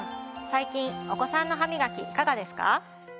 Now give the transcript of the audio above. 最近お子さんの歯みがきいかがですか？